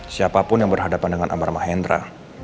siapapun yang berhadapan dengan amar mahendra